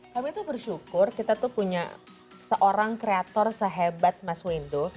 kami tuh bersyukur kita tuh punya seorang kreator sehebat mas windu